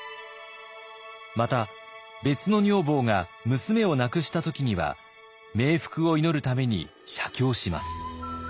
また別の女房が娘を亡くした時には冥福を祈るために写経します。